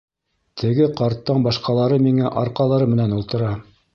Теге ҡарттан башҡалары миңә арҡалары менән ултыра.